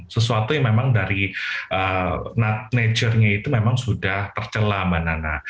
sesuatu yang memang dari nature nya itu memang sudah tercela mbak nana